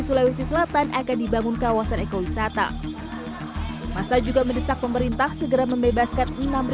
sulawesi selatan akan dibangun kawasan ekowisata masa juga mendesak pemerintah segera membebaskan